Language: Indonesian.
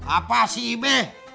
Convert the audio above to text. apa sih be